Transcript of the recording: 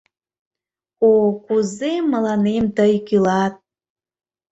О, кузе мыланем тый кÿлат!